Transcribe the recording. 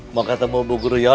mau ketemu bu guru yola kan